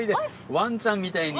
ワンちゃんみたいに。